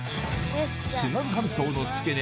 津軽半島の付け根